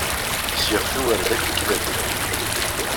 S yiɣef-iw ar ad ak-klabiɣ!